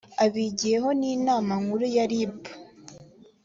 abigiyeho ni inama nkuru ya rib